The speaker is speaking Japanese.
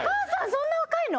そんな若いの？